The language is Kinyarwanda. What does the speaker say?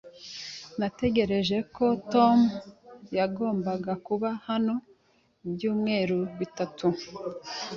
Natekereje ko Tom yagombaga kuba hano ibyumweru bitatu.